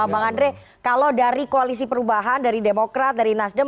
bang andre kalau dari koalisi perubahan dari demokrat dari nasdem